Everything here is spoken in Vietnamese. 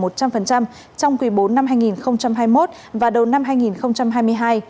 trong quý bốn năm hai nghìn hai mươi một và đầu năm hai nghìn hai mươi hai